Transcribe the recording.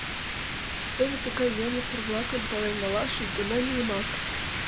Теве тыгай йӧнысыр-влакым пален налаш ик гана миемак.